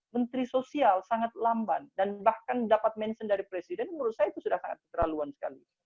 menteri sosial sangat lamban dan bahkan dapat mention dari presiden menurut saya itu sudah sangat keterlaluan sekali